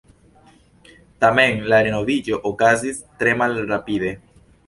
Tamen la renovigo okazis tre malrapide.